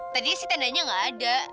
tadinya sih tendanya nggak ada